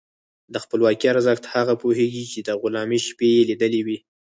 د خپلواکۍ ارزښت هغه پوهېږي چې د غلامۍ شپې یې لیدلي وي.